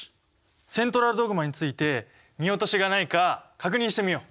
セントラルドグマについて見落としがないか確認してみよう！